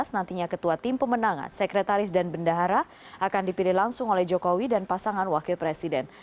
nantinya ketua tim pemenangan sekretaris dan bendahara akan dipilih langsung oleh jokowi dan pasangan wakil presiden